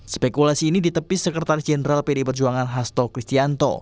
spekulasi ini ditepis sekretaris jenderal pdi perjuangan hasto kristianto